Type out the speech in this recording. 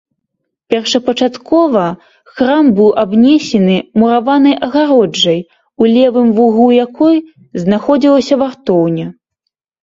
Першапачаткова храм быў абнесены мураванай агароджай, у левым вуглу якой знаходзілася вартоўня.